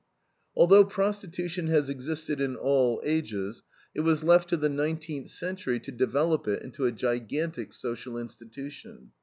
"Although prostitution has existed in all ages, it was left to the nineteenth century to develop it into a gigantic social institution.